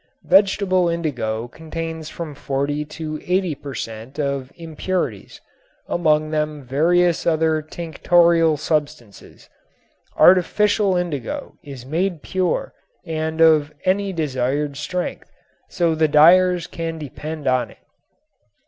Vegetable indigo contains from forty to eighty per cent. of impurities, among them various other tinctorial substances. Artificial indigo is made pure and of any desired strength, so the dyers can depend on it.